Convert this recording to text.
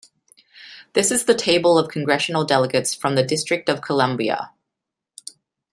This is the table of congressional delegates from the District of Columbia.